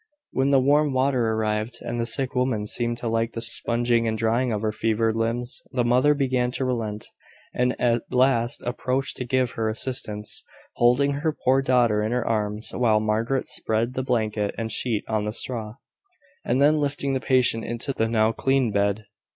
When the warm water arrived, and the sick woman seemed to like the sponging and drying of her fevered limbs, the mother began to relent, and at last approached to give her assistance, holding her poor daughter in her arms while Margaret spread the blanket and sheet on the straw, and then lifting the patient into the now clean bed.